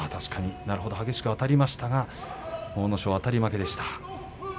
確かに激しくあたりましたが阿武咲は、あたり負けでした。